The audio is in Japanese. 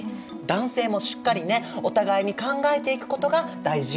男性もしっかりねお互いに考えていくことが大事ですよね。